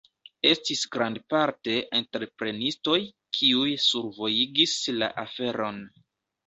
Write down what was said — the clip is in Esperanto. Estis grandparte entreprenistoj, kiuj survojigis la aferon.